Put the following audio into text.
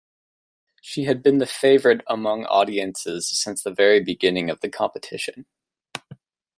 She had been the favourite among audiences since the very beginning of the competition.